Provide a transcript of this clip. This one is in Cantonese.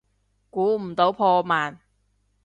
估唔到破万